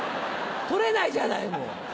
取れないじゃないもう。